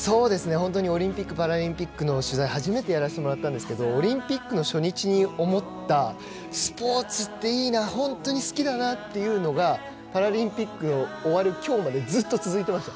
本当にオリンピック・パラリンピックの取材を初めてやらせてもらったんですがオリンピックの初日に思ったスポーツっていいな本当に好きだなっていうのがパラリンピックを終わるきょうまでずっと続いていました。